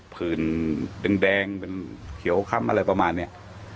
ผื่นแดงเป็นเขียวค้ำอะไรประมาณนี้